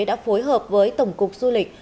đã phối hợp với tổng cục du lịch